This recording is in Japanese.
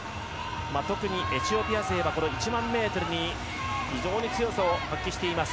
特にエチオピア勢は１００００ｍに非常に強さを発揮しています。